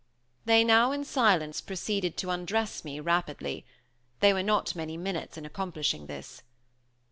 They now, in silence, proceeded to undress me rapidly. They were not many minutes in accomplishing this.